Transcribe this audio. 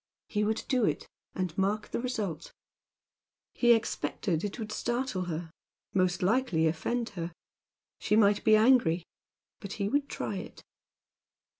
He would do it, and mark the result. He expected it would startle her; most likely, offend her; she might be angry, but he would try it.